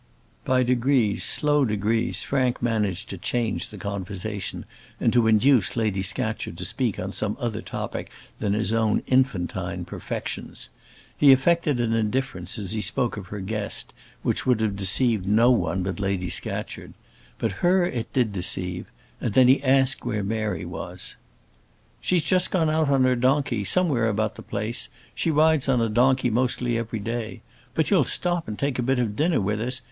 By degrees, slow degrees, Frank managed to change the conversation, and to induce Lady Scatcherd to speak on some other topic than his own infantine perfections. He affected an indifference as he spoke of her guest, which would have deceived no one but Lady Scatcherd; but her it did deceive; and then he asked where Mary was. "She's just gone out on her donkey somewhere about the place. She rides on a donkey mostly every day. But you'll stop and take a bit of dinner with us?